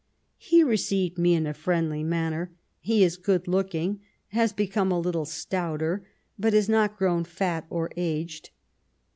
He received me in a friendly manner ; he is good looking, has become a little stouter, but has not grown fat or aged.